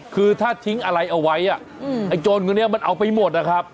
คือถ้าทิ้งอะไรเอาไว้ไอ้โจรคนนี้มันเอาไปหมดนะครับ